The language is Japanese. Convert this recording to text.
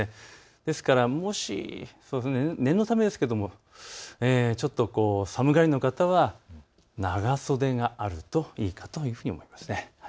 ですから念のためですがちょっと寒がりの方は、長袖があるといいかというふうに思います。